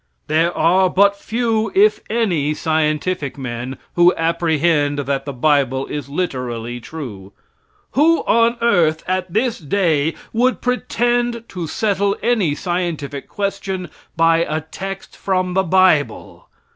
There are but few, if any, scientific men who apprehend that the bible is literally true. Who on earth at this day would pretend to settle any scientific question by a text from the bible?